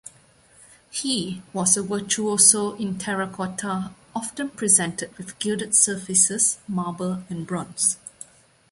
He was a virtuoso in terracotta, often presented with gilded surfaces, marble and bronze.